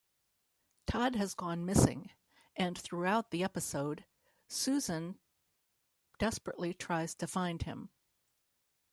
Todd has gone missing, and throughout the episode, Susan desperately tries to find him.